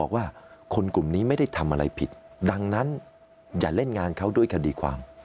ว่าคนกลุ่มนี้ไม่ได้ทำอะไรผิดดังนั้นอย่าเล่นงานเขาด้วยคดีความ